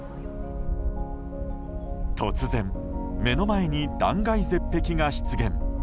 突然、目の前に断崖絶壁が出現。